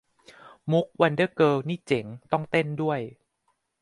มุข 'วันเดอร์เกิร์ล' นี่เจ๋ง ต้องเต้นด้วย